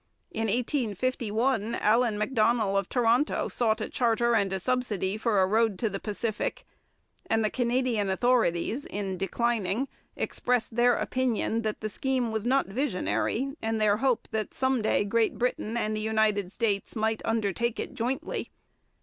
In 1851 Allan Macdonnell of Toronto sought a charter and a subsidy for a road to the Pacific, and the Canadian authorities, in declining, expressed their opinion that the scheme was not visionary and their hope that some day Great Britain and the United States might undertake it jointly.